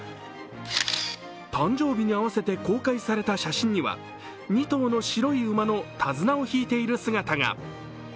誕生日に合わせて公開された写真には２頭の白い馬のたずなを引いている姿が。